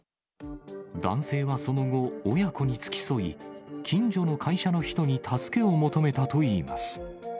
男性はその後、親子に付き添い、近所の会社の人に助けを求めたといいます。